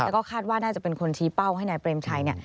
และก็คาดว่าน่าจะเป็นคนชี้เป้าให้นายเพลิมชัย